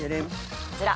こちら。